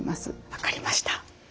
分かりました。